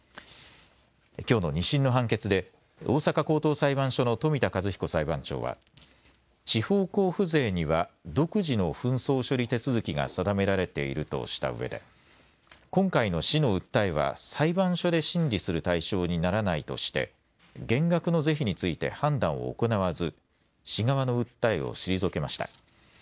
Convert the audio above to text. きょうの２審の判決で大阪高等裁判所の冨田一彦裁判長は地方交付税には独自の紛争処理手続きが定められているとしたうえで今回の市の訴えは裁判所で審理する対象にならないとして減額の是非について判断を行わず市側の訴えを退けました。